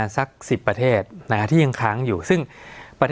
สวัสดีครับทุกผู้ชม